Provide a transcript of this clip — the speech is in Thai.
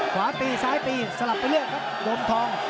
ขวาตีซ้ายตีสลับไปเรื่อยครับลมทอง